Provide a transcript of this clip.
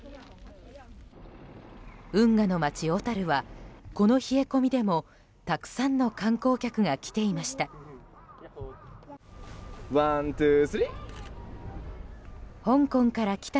運河の街・小樽はこの冷え込みでもたくさんの観光客が来ていました。